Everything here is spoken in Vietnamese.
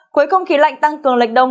cuối không khí lạnh tăng cường lệch đông